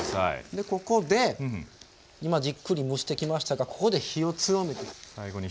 でここで今じっくり蒸してきましたがここで火を強めていきます。